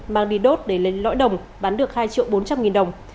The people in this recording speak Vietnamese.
mang đi đốt để lên lõi đồng bán được hai triệu bốn trăm linh nghìn đồng